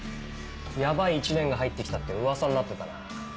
ヤバい１年が入って来たって噂になってたな。